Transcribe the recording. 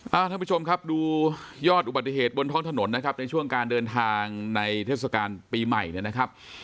ท่านผู้ชมครับดูยอดอุบัติเหตุบนท้องถนนนะครับในช่วงการเดินทางในเทศกาลปีใหม่เนี่ยนะครับ